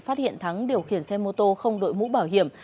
phát hiện thắng điều khiển xe mô tô không đội mũ bảo hiểm